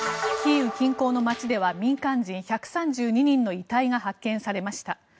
キーウ近郊の街では民間人１３２人の遺体が発見されました。